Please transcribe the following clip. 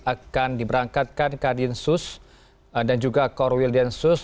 akan diberangkatkan kadinsus dan juga korwildensus